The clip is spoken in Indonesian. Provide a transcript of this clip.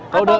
tau gak tuh